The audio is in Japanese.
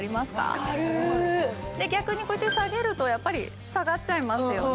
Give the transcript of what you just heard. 分かるで逆にこうやって下げるとやっぱり下がっちゃいますよね